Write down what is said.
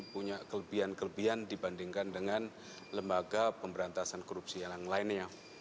punya kelebihan kelebihan dibandingkan dengan lembaga pemberantasan korupsi yang lainnya